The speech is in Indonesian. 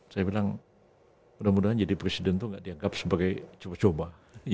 saya bilang mudah mudahan jadi presiden itu tidak dianggap sebagai coba coba